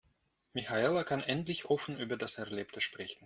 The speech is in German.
Michaela kann endlich offen über das Erlebte sprechen.